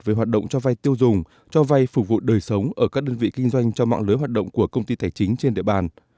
về hoạt động cho vai tiêu dùng cho vay phục vụ đời sống ở các đơn vị kinh doanh cho mạng lưới hoạt động của công ty tài chính trên địa bàn